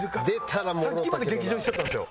さっきまで劇場一緒やったんですよ。